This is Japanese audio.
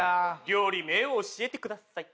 料理名を教えてください。